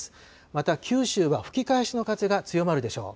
また、九州は吹き返しの風が強まるでしょう。